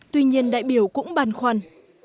tuy nhiên đại biểu cũng bàn khoăn